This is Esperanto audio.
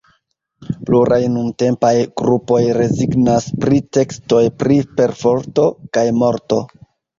Pluraj nuntempaj grupoj rezignas pri tekstoj pri perforto kaj morto.